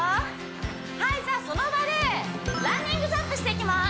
はいじゃあその場でランニングジャンプしていきます